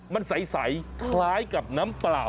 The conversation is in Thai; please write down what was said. มันใสคล้ายกับน้ำเปล่า